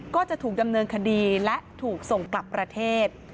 ก็จะถูกดำเนินคดีและถูกส่งกลับประเทศ